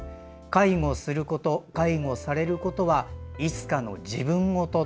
「介護すること介護されることはいつかの自分事」。